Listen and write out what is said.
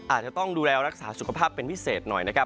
อาจจะต้องดูแลรักษาสุขภาพเป็นพิเศษหน่อยนะครับ